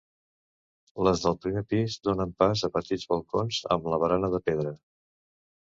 Les del primer pis donen pas a petits balcons amb la barana de pedra.